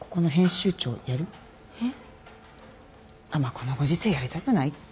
このご時世やりたくないか。